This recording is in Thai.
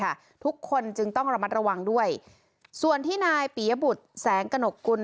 ทุกคนจึงต้องระมัดระวังด้วยส่วนที่นายปียบุตรแสงกระหนกกุล